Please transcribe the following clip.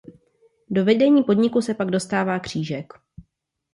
Do vedení podniku se pak dostává Křížek.